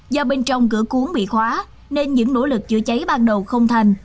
do bên trong cửa cuốn bị khóa nên những nỗ lực chữa cháy ban đầu không thành